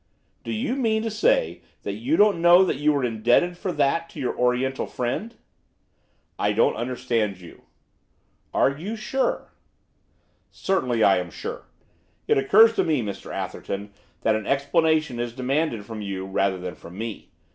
'Do you mean to say that you don't know that you were indebted for that to your Oriental friend?' 'I don't understand you.' 'Are you sure?' 'Certainly I am sure. It occurs to me, Mr Atherton, that an explanation is demanded from you rather than from me.